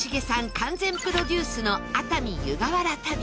完全プロデュースの熱海・湯河原旅！